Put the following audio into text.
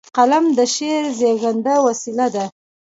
قلم د شعر زیږنده وسیله ده.